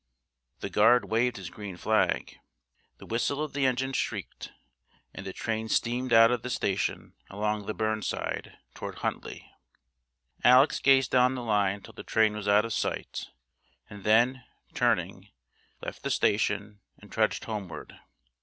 The guard waved his green flag. The whistle of the engine shrieked, and the train steamed out of the station along the burnside toward Huntly. Alec gazed down the line till the train was out of sight and then, turning, left the station and trudged homeward.